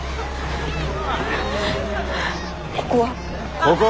ここは？